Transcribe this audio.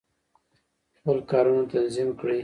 خپل کارونه تنظیم کړئ.